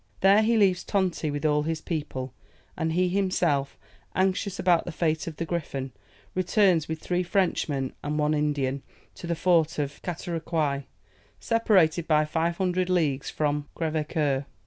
There he leaves Tonti with all his people, and he himself, anxious about the fate of the Griffon, returns with three Frenchmen and one Indian, to the fort of Catarocouy, separated by 500 leagues from Crèvecoeur.